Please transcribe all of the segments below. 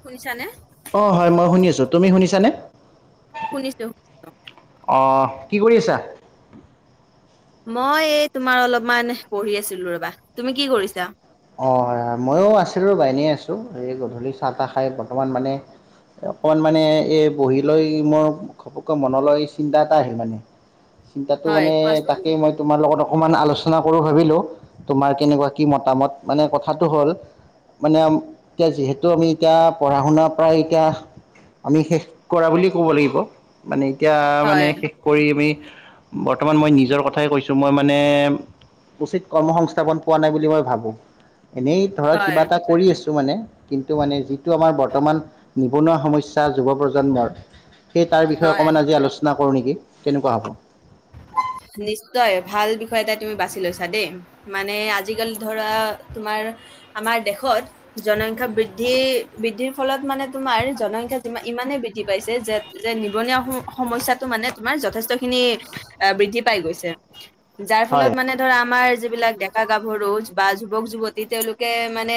শুনিছানে? অঁ হয়ঁ মই শুনি আছো, তুমি শুনিছানে? শুনিছোঁ। অঁ কি কৰি আছা? মই এই তোমাৰ অলপমান পঢ়ি আছিলো ৰবা, তুমি কি কৰিছা? অঁ হয়ঁ হয়ঁ ময়ো আছিলো বা‌ এনেনে আছো এই গধূলি চাহ তাহ খাই বৰ্তমান মানে- অকমান মানে এই বহি লৈ মোৰ ঘপকৈ মনলৈ চিন্তা এটা আহিল মানে। চিন্তাটো হয় মানে কোৱাচোন। তাকেই মই- তোমাৰ লগত অকমান আলোচনা কৰো ভাবিলো তোমাৰ কেনেকুৱা কি মতামত মানে কথাটো হ'ল- মানে এতিয়া যিহেতু আমি এতিয়া পঢ়া শুনাৰ পৰাই এতিয়া- আমি শেষ কৰা বুলি ক'ব লাগিব। মানে এতিয়া মানে হয়, শেষ- কৰি আমি বৰ্তমান মই নিজৰ কথাই কৈছোঁ মই মানে। উচিত কৰ্ম সংস্থাপন পোৱা নাই বুলি মই ভাবো। এনেই ধৰ হয়, কিবা এটা কৰি আছো মানে। কিন্তু মানে যিটো আমাৰ বৰ্তমান নিবনুৱা সমস্যা যুৱ প্ৰজন্মৰ- সেই তাৰ বিষয়ে হয়। অকণমান আজি আলোচনা কৰো নেকি কেনেকুৱা হ'ব? নিশ্চয় ভাল বিষয় এটা তুমি বাছি লৈছা দেই। মানে আজিকালি ধৰা তোমাৰ আমাৰ দেশত জনসংখ্যা বৃদ্ধি বৃদ্ধিৰ ফলত মানে তোমাৰ জনসংখ্যা যিমান ইমানে বৃদ্ধি দি পাইছে যে-যে নিবনুৱা সম-সমস্যাটো মানে তোমাৰ যথেষ্ট খিনি বৃদ্ধি পাই গৈছে যাৰ ফলত হয় মানে ধৰা আমাৰ যিবিলাক ডেকা গাভৰু বা যুৱক যুৱতী, তেওঁলোকে মানে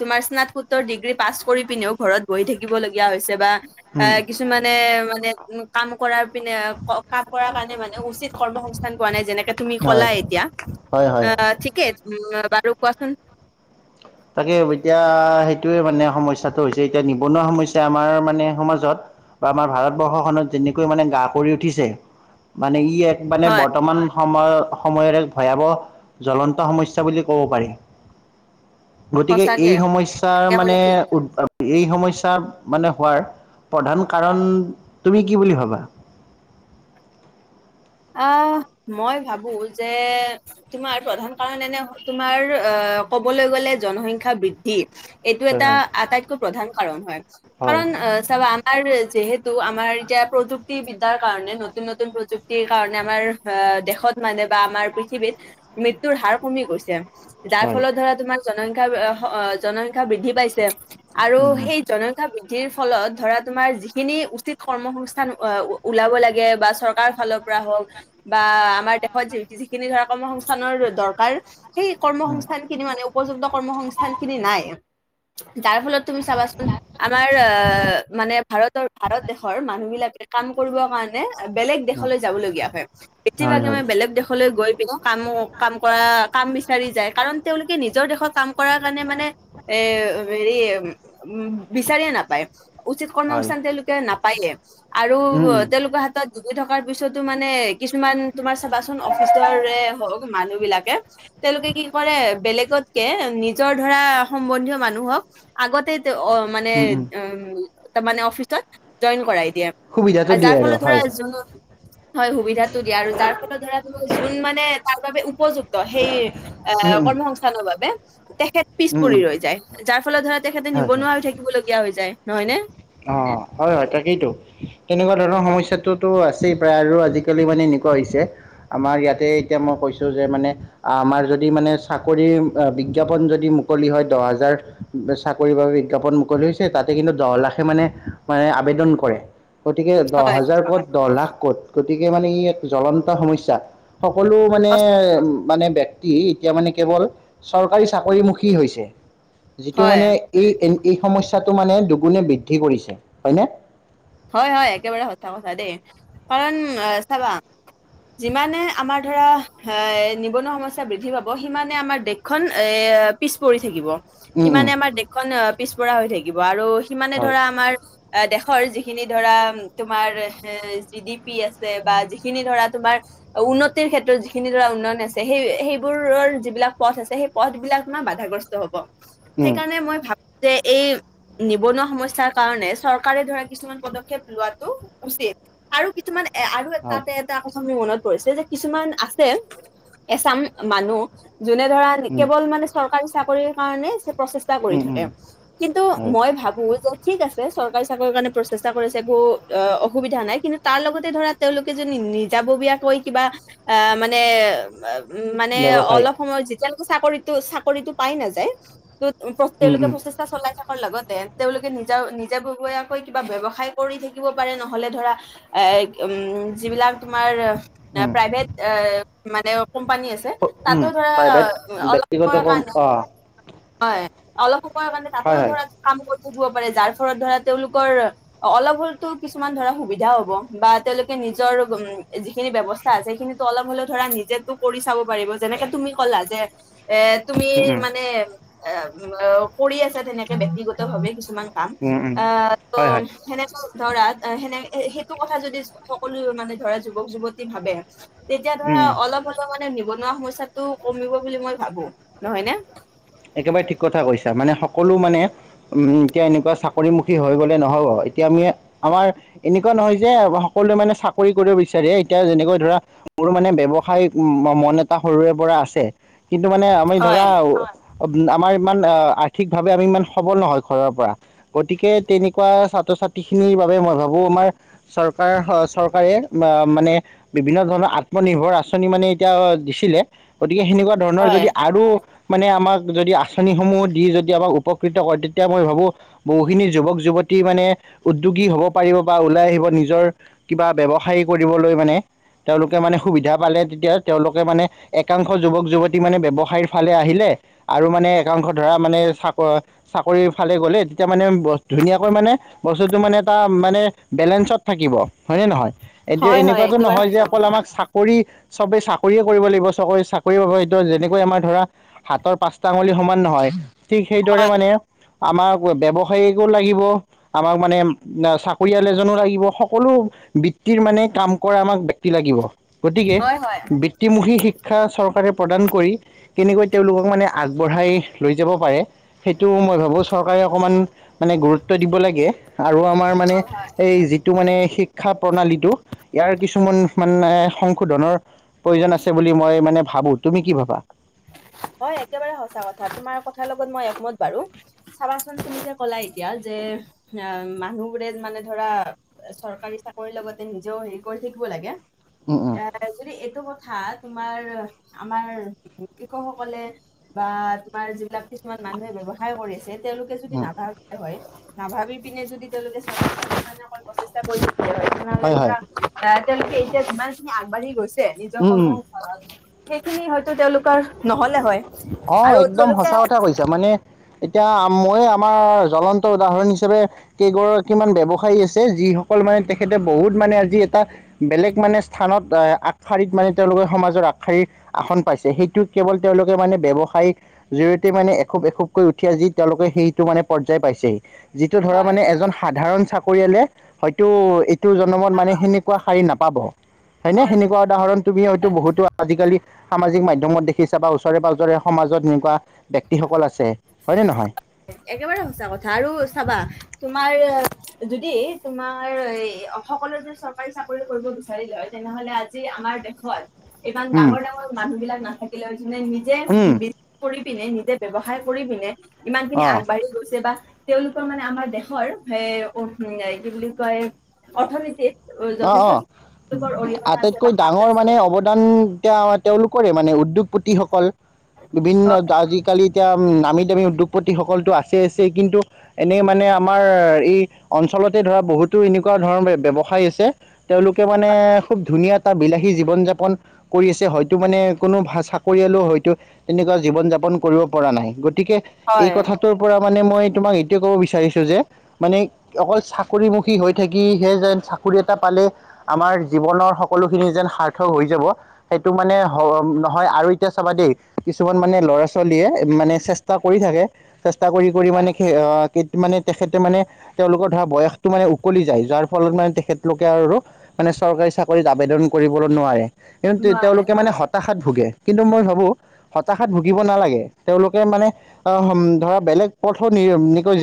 তোমাৰ স্নাতকোত্তৰ ডিগ্ৰী পাছ কৰি পিনেও ঘৰত বহি থাকিব লগীয়া হৈছে বা। অ, উম কিছুমানে মানে কাম কৰাৰ পিনে ক কাম কৰাৰ কাৰণে মানে উচিত কৰ্মসংস্থান পোৱা নাই যেনেকে তুমি হয় ক'লা এতিয়া হয় হয় অ' ঠিকেই উম বাৰু কোৱাচোন। তাকে এতিয়া সেইটোৱে মানে সমস্যাটো হৈছে এতিয়া নিবনুৱা সমস্যা আমাৰ মানে সমাজত বা আমাৰ ভাৰতবৰ্ষখনত যেনেকৈ মানে গা কৰি উঠিছে। মানে ই এক মানে হয় বৰ্তমান সময়ৰ-সময়ৰে ভয়াৱহ জ্বলন্ত সমস্যা বুলি ক'ব পাৰি। গতিকে সঁচাকে এই সমস্যাৰ একেবাৰে মানে ঠিক উ এই সমস্যা মানে হোৱাৰ, প্ৰধান কাৰণ তুমি কি বুলি ভাবা? আহ মই ভাবো যে তোমাৰ প্ৰধান কাৰণ এনে তোমাৰ আহ কবলৈ গলে জনসংখ্যা বৃদ্ধি। এইটো হয় এটা হয় আটাইতকৈ প্ৰধান কাৰণ হয়। হয় কাৰণ চাবা আৰু যিহেতু আমাৰ এতিয়া প্ৰযুক্তিব বিদ্যাৰ কাৰণে, নতুন নতুন প্ৰযুক্তি কাৰণে আমাৰ দেশত মানে বা আমাৰ পৃথিৱীত মৃত্যুৰ হাৰ কমি গৈছে। যাৰ হয় ফলত ধৰা তোমাৰ জনসংখ্যা অ' জনসংখ্যা বৃদ্ধি পাইছে আৰু উম, সেই জনসংখ্যা বৃদ্ধিৰ ফলত ধৰা তোমাৰ যিখিনি উচিত কৰ্মসংস্থান এ ওলাব লাগে বা চৰকাৰৰ ফালৰ পৰা হওক, বা আমাৰ দেশত যিখিনি ধৰা কৰ্মসংস্থানৰ দৰকাৰ সেই উম, কৰ্মসস্থান খিন মানে উপযুক্ত কৰ্মসংস্থান খিনি নাই যাৰ ফলত তুমি চাবাচোন। আমাৰ আ মানে ভাৰতৰ ভাৰত দেশৰ মানুহ বিলাকে কাম কৰিব কাৰণে বেলেগ উম, শলৈ যাবলগীয়া হয়, হয় পেথিভাগে হয় মানে বেলেগ দেশলৈ গৈ পিনে কাম কাম কৰা কাম বিচাৰি যায়, কাৰণ তেওঁলোকে নিজৰ দেশত কাম কৰাৰ কাৰণে মানে এ হেৰি উ বিচাৰিয়ে নাপায়। উচিত কৰ্ম হয় সংস্থান তেওঁলোকে নাপায়ে আৰু উম, উম। তেওঁলোকৰ হাতত ডুবি থকা থকাৰ পিছতো মানে কিছুমান তোমাৰ চাবাচোন অফিচৰে হওক মানুহ বিলাকে তেওঁলোকে কি কৰে, বেলেগতকে নিজৰ ধৰা সম্বন্ধীয় মানুহক আগতে তেওঁ অ' মানে উম' তাৰ মানে অফিচত জইন কৰাই দিয়ে। সুবিধাটো দিয়ে যাৰ আৰু ফলত ধৰা হয় হয় সুবিধাটো দিয়া, আৰু যাৰ ফলত ধৰা তোমাৰ যোন মানে তাৰ বাবোবে উপযুক্ত সেই উম আহ উম কৰ্মসংস্থানৰ বাবে তেখেত পিছ উম পৰি উম ৰৈ যায়, যাৰ ফলত ধৰা তেখেতে হয় নিবনুৱা হৈ থাকিবলগীয়া হৈ যায়। নহয় নে? অহ। হয় হয় তাকেইটো, তেনেকুৱা ধৰণৰ সমস্যাটোতো আছেই প্ৰায় আৰু আজিকালি মানে এনেকুৱা হৈছে আমাৰ ইয়াতে এতিয়া মই কৈছোঁ যে মানে আমাৰ যদি মানে চাকৰি বিজ্ঞাপন যদি মুকলি হয় দহ হাজাৰ চাকৰিৰ বাবে বিজ্ঞাপন মুকলি হৈছে, তাতে কিন্তু দহ লাখে মানে মানে আবেদন কৰে, গতিকে দহ হয় হাজাৰ ক'ত দহ লাখ ক'ত? গতিকে মানে ই এক জ্বলন্ত সমস্যা, সকলো মানে সঁচ- উম মানে ব্যক্তি এতিয়া মানে কেৱল চৰকাৰী চাকৰিমুখী হৈছে, যিটো হয় মানে এই, এই সমস্যাটো মানে দুগুণে বৃদ্ধি কৰিছে। হয়নে? হয় হয়, একেবাৰে সচা কথা দেই, কাৰণ চাবা যিমানে আমাৰ ধৰা এ নিবনুৱা সমস্যা বৃদ্ধি পাব, সিমানে আমাৰ দেশ খন এ পিছ পৰি থাকিব। উম উম সিমানে আমাৰ দেশখন পিছপৰা হৈ থাকিব, আৰু সিমানে হয় ধৰা আমাৰ দেশৰ যি যিখিনি ধৰা তোমাৰ এ জি, ডি, পি আছে বা যিখিনি ধৰা তোমাৰ উন্নতিৰ ক্ষেত্ৰত যিখিনি ধৰা উন্নয়ন আছে, সেই সেইবোৰৰ যিবিলাক পথ আছে সেই পথ বিলাক ন বাধাগ্ৰস্ত হ'ব। উম সেইকাৰণে মই ভাবোঁ যে, এই নিবনুৱা সমস্যা কাৰণে চৰকাৰে ধৰা কিছুমান পদক্ষেপ লোৱাটো উচিত, আৰু কিছুমান এ আৰু হয় তাতে তাৰপাছত মোৰ মনত পৰিছে, যে কিছুমান আছে এচাম মানুহ যোনে ধৰা উম কেৱল মানে চৰকাৰী চাকৰিৰ কাৰণে প্ৰচেষ্টা কৰি উম থাকে, উম কিন্তু হয় মই ভাবোঁ যে ঠিক আছে চৰকাৰী চাকৰি কাৰণে প্ৰচে চেষ্টা কৰিছে একো অ' অসুবিধা নাই, কিন্তু তাৰ লগতে ধৰা তেওঁলোকে যদি নিজাববীয়াকৈ কিবা আ মানে উম' মানে ব্যৱসায় অলপ সময়ত যেতিয়ালৈকে চাকৰিতো চাকৰিতটো পাই নাযায় ত উম তেওঁলোকে উম প্ৰচেষ্টা চলাই থকাৰ লগতে তেওঁলোকে নিজা নিজাববীয়াকৈ কিবা ব্যৱ ব্যৱসায় কৰি থাকিব পাৰে, নহ'লে ধৰা আ উম' যিবিলাক তোমাৰ দা উম প্ৰাইভেট এ মানে কোম্পানী আছে। তাতো উম ধৰা প্ৰাইভেট অলপ ব্যক্তিগত সময়ৰ কম কাৰণে। অ হয়, অলপ সময়ৰ কাৰণে তাতেও হয় হয় ধৰা কাম কৰি থাকিব পাৰে, যাৰ ফলত ধৰা তেওঁলোকৰ অ' অলপ হ'লতো কিছুমান ধৰা সুবিধাও হ'ব, বা তেওঁলোকে নিজৰ উম' যিখিনি ব্যৱস্থা চা সেইখিনিতো অলপ হ'লে ধৰা নিজেতো কৰি চাব পাৰিব, যেনেকে তুমি ক'লা যে এ তুমি উম উম মানে এ কৰি আছা তেনেকে ব্যক্তিগত ভাৱে কিছুমান কাম উম উম আহ' ত' হয় হয় সেনেকে ধৰা সেনে সেইটো কথা যদি সকলো মানে ধৰা যুৱক-যুৱতী ভাবে তেতিয়া উম ধৰা উম অলপ হ'লেও মানে নিবনুৱা সমস্যাটো কমিব বুলি মই ভাবোঁ। নহয় নে? একেবাৰে ঠিক কথা কৈছা, মানে সকলো মানে উম' এতিয়া এনেকুৱা চাকৰিমুখী হৈ গ'লে নহ'ব, এতিয়া আমি আমাৰ এনেকুৱা নহয় যে সকলোৱে মানে চাকৰি কৰিব বিচাৰে, এতিয়া যেনেকৈ ধৰা মোৰ মানে ব্যৱসায়িক মন এটা সৰুৰে পৰা আছে। কিন্তু মানে আমি হয় ধৰা আমাৰ ইমান আৰ্থিকভাৱে আমি ইমান সবল নহয় ঘৰৰ পৰা। গতিকে তেনেকুৱা ছাত্ৰ-ছাত্ৰী খিনিৰ বাবে মই ভাবোঁ আমাৰ চৰকাৰ হ চৰকাৰে বা মানে বিভিন্ন ধৰণৰ আত্মনিৰ্ভৰ আঁচনি মানে এতিয়া দিছিলে, গতিকে সেনেকুৱা ধৰণৰ হয় যদি আৰু মানে আমাক যদি আঁচনিসমূহ দি যদি আমাক উপকৃত কৰে, তেতিয়া মই ভাবোঁ বহুখিনি যুৱক-যুৱতী মানে উদ্যোগী হ'ব পাৰিব বা ওলাই আহিব নিজৰ কিবা ব্যৱসায় কৰিবলৈ মানে তেওঁলোকে মানে সুবিধা পালে তেতিয়া তেওঁলোকে মানে একাংশ যুৱক-যুৱতী মানে ব্যৱসায়ীৰ ফালে আহিলে, আৰু মানে একাংশ ধৰা মানে চাক চাকৰি ফালে গ'লে, তেতিয়া মানে ধুনীয়াকৈ মানে বস্তুতো মানে এটা মানে বেলেঞ্চত থাকিব। হয় নে নহয়? এতিয়া হয় হয় এনেকুৱাতো একেবাৰে নহয় যে সঁচা অকল কথা আমাক চাক কৰি, চবেই চাকৰিয়ে কৰিব লাগিব, চব চাকৰি পাব, সেইটো যেনেকৈ আমাৰ ধৰা হাতৰ পাঁচটা আঙুলি সমান নহয়, ঠিক সেইদৰে হয়। মানে আমাক ব্যৱসায়িকো লাগিব। আমাক মানে চাকৰিয়াল এজনো লাগিব। সকলো বৃত্তিৰ মানে কাম কৰা আমাক ব্যক্তি লাগিব। গতিকে, হয় হয় বৃত্তিমুখী শিক্ষা চৰকাৰে প্ৰদান কৰি কেনেকৈ তেওঁলোকক মানে আগবঢ়াই লৈ যাব পাৰে। সেইটো মই ভাবো চৰকাৰে অকণমান মানে গুৰুত্ব দিব লাগে। আৰু আমাৰ মানে এই যি টো মানে, শিক্ষা প্ৰণালীটো ইয়াৰ কিছুমান মানে সংশোধনৰ প্ৰয়োজন আছে বুলি মই মানে ভাবো। তুমি কি ভাবা? হয়, একেবাৰে সঁচা কথা, তোমাৰ কথাৰ লগত মই একমত বাৰু। চাবাচোন তুমি যে ক'লা এতিয়া যে আহ, মানুহবোৰে মানে ধৰা চৰকাৰী চাকৰিৰ লগতে নিজেও হেৰি কৰি থাকিব লাগে। উম উম এ যদি এইটো কথা তোমাৰ আমাৰ। শিক্ষকসকলে বা তোমাৰ যিবিলাক কিছুমান মানুহে ব্যৱসায় কৰিছে তেওঁলোকে যদি উম নাভাবে হয়, নাভাবি পিনে যদি তেওঁলোকে চাকৰি কাৰণে প্ৰচেষ্টা কৰি তেনেহলে হয় হয় ধৰা, আহ, তেওঁলোকে এতিয়া যিমান খিনি আগবাঢ়ি গৈছে নিজৰ উম উম কৰ্ম ফলত সেইখিনি হয়তো তেওঁলোকৰ নহলে হয়, আৰু তেওঁলোকে তাৰ মানে এতিয়া মইয়ে, আমাৰ জ্বলন্ত উদাহৰণ হিচাপে কেইগৰাকীমান ব্যৱসায়ী আছে, যিসকল মানে তেখেতে বহুত মানে আজি এটা বেলেগ মানে স্থানত এ আগশাৰীত মানে তেওঁলোকে সমাজৰ আগশাৰীৰ আসন পাইছে। সেইটো কেৱল তেওঁলোকে মানে ব্যৱসায়িক জৰিতে মানে এখোব- এখোবকৈ উঠি আজি তেওঁলোকে সেইটো মানে পৰ্যায় পাইছেহি। যিটো ধৰা হয় মানে এজন সাধাৰণ চাকৰিয়ালে হয়তো এটো জন্মত মানে সেনেকুৱা শাৰী নাপাব হয়নে হয় সেনেকুৱা উদাহৰণ তুমি হয়তো বহুতো আজিকালি সামাজিক মাধ্যমত দেখ খিছাবা ওচৰে- পাঁজৰে সমাজত এনেকুৱা ব্যক্তিসকল আছে হয়নে নহয়? একেবাৰে সঁচা কথা, আৰু চাবা তোমাৰ যদি তোমাৰ এ সকলো যদি চৰকাৰী চাকৰি কৰিব বিচাৰি লয়, তেনেহলে আজি যি আমাৰ দেশত ইমান উম ডাঙৰ- ডাঙৰ মানুহ বিলাক নাথাকিলে হয়। যোনে নিজে উম বি কৰি পিনে নিজে ব্যৱসায় কৰি পিনে ইমান খিনি অঁ আগবাঢ়ি গৈছে, বা তেওঁলোকৰ মানে আমাৰ দেশৰ সে কি বুলি কয়, অৰ্থনীতিত অ- যথেষ্ট অ তেওঁলোকৰ অৰিহণা আছে আটাইতকৈ বা হাত ডাঙৰ আছে মানে অৱ দান এতিয়া তেওঁলোকৰে মানে উদ্যোগপতিসকল বিভিন্ন আজিকালি এতিয়া নামী- দামী উদ্যোগপতিসকলতো আছেই- আছেই। কিন্তু এনেই মানে আমাৰ এই অঞ্চলতে ধৰা, বহুতো এনেকুৱা ধৰণৰ ব্যৱসায় আছে। তেওঁলোকে মানে খুব ধুনীয়া এটা বিলাহী জীৱন যাপন কৰি আছে, হয়তো মানে কোনো চাকৰিয়ালেও হয়তো তেনেকুৱা জীৱন- যাপন কৰিব পৰা নাই। গতিকে, এই হয় কথাটোৰ পৰা মানে মই তোমাক এইটোয়ে ক'ব বিচাৰিছো যে মানে অকল চাকৰিমুখী হৈ থাকিহে যেন চাকৰি এটা পালে আমাৰ জীৱনৰ সকলোখিনি যেন সাৰ্থক হৈ যাব সেইটো মানে নহয়। আৰু এতিয়া চাবা দেই, কিছুমান মানে ল'ৰা-ছোৱালীয়ে মানে চেষ্টা কৰি থাকে। চেষ্টা কৰি- কৰি মানে কি মানে তেখেতে মানে তেওঁলোকৰ ধৰা, বয়সটো মানে উকলি যায়। যাৰ ফলত মানে তেখেত লোকে আৰু মানে চৰকাৰী চাকৰিত আবেদন কৰিবলৈ নোৱাৰে। কিন্তু নোৱাৰে তেওঁলোকে মানে হয় হতাশাত ভুগে। কিন্তু মই ভাবোঁ হতাশাত ভুগিব নালাগে, তেওঁলোকে মানে আহ' ধৰা বেলেগ পথ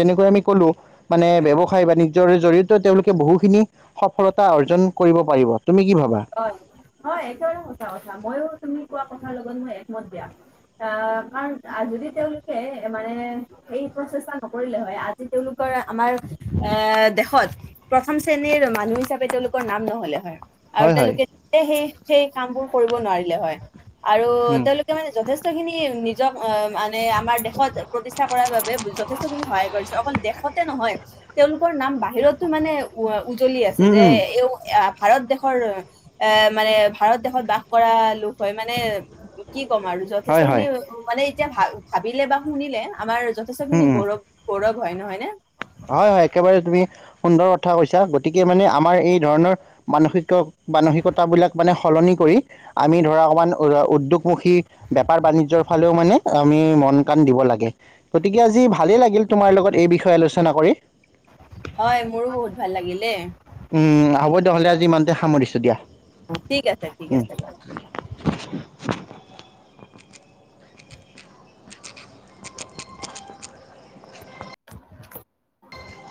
যেনেকৈ আমি কলো মানে ব্যৱসায় বাণিজ্যৰ জৰিয়তেও তেওঁলোকে বহুখিনি সফলতা অৰ্জন কৰিব পাৰিব। তুমি কি ভাবা? হয়, হয় একেবাৰে সঁচা কথা, ময়ো তুমি কোৱা কথাৰ লগত মই একমত দিয়া। আহ' কাৰণ যদি তেওঁলোকে মানে সেই প্ৰচেষ্টা নকৰিলে হয় আজি তেওঁলোকৰ আমাৰ এ দেশত প্ৰথম শ্ৰেণীৰ মানুহ হিচাপে তেওঁলোকৰ নাম নহ'লে হয়। আৰু হয় হয় তেওঁলোকে সেই সেই কাম বোৰ কৰিব নোৱাৰিলে হয় আৰু উম তেওঁলোকে এতিয়া মানে যথেষ্টখিনি নিজক আহ' মানে আমাৰ দেশত প্ৰতিষ্ঠা কৰাৰ বাবে যথেষ্ট খিনি সহায় কৰিছে। অকল দেশতে নহয় তেওঁলোকৰ নাম বাহিৰতো মানে উ-উজলি আছে উম যে উম এ ভাৰত দেশ ৰ এ মানে ভাৰত দেশত বাস কৰা লোক হয় মানে কি ক'ম আৰু যথেষ্ট হয় খিনি হয় মানে এতিয়া ভা-ভাবিলে বা শুনিলে আমাৰ যথেষ্ট উম খিনি উম গৌৰৱ গৌৰৱ হয়। নহয় নে? হয় হয়, একেবাৰে তুমি সুন্দৰ কথা কৈছা। গতিকে মানে আমাৰ এই ধৰণৰ মানসিক-মানসিকতা বিলাক মানে সলনি কৰি আমি ধৰা অকণমান উ-উদ্যোগমুখী বেপাৰ বাণিজ্যৰ ফালেও মানে আমি মন কাণ দিব লাগে। গতিকে আজি ভালেই লাগিল তোমাৰ লগত এই বিষয়ে আলোচনা কৰি। হয়, মোৰো বহুত ভাল লাগিল দেই। উমঁ' হ'ব দিয়ক হ'লে আজি ইমানতে সামৰিছোঁ দিয়া। ঠিক আছে ঠিক উম। আছে বাৰু। [unintelligible]